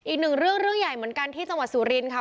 อีกหนึ่งเรื่องเรื่องใหญ่เหมือนกันที่จังหวัดสุรินทร์ค่ะ